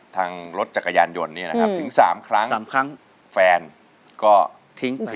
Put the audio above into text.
ทางรถจักรยานยนต์ถึงสามครั้งแฟนก็ทิ้งไป